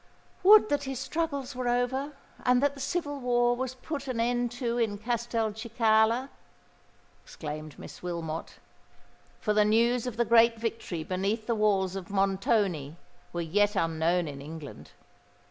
"Would that his struggles were over, and that the civil war was put an end to in Castelcicala!" exclaimed Miss Wilmot—for the news of the great victory beneath the walls of Montoni were yet unknown in England.